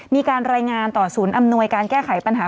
มีการรายงานต่อศูนย์อำนวยการแก้ไขปัญหา